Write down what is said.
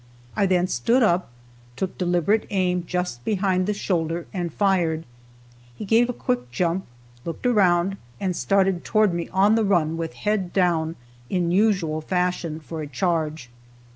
I then stood up, took deliberate aim just behind the shoulder, and fired. He gave a quick jump, looked around and started toward me on the run with head down, in usual fashion, for a charge.